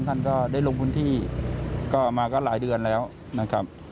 ท่านก็ได้ลงพื้นที่ก็มาก็หลายเดือนแล้วนะครับ